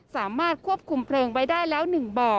สามารถควบคุมเพลิงไว้ได้แล้ว๑บ่อ